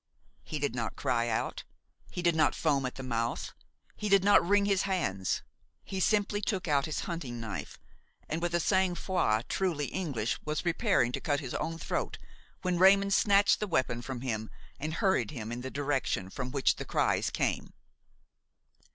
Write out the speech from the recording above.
He did not cry out, he did not foam at the mouth, he did not wring his hands; he simply took out his hunting knife and with a sang froid truly English was preparing to cut his own throat, when Raymon snatched the weapon from him and hurried him in the direction from which the cries came.